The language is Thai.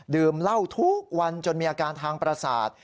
ดื่มเหล้าทุกวันจนมีอาการทางประสาท